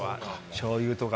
しょうゆとか。